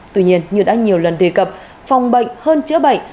tuy nhiên như đã nhiều lần đề cập phòng bệnh hơn chữa bệnh